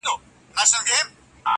بحثونه بيا تازه کيږي ناڅاپه ډېر,